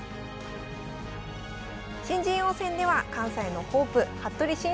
新人王戦では関西のホープ服部慎一郎五段が初優勝。